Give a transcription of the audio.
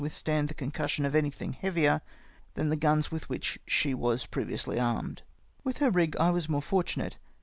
withstand the concussion of anytliing lieavier than the guns with which she was previously armed. With her rig I was more fortunate.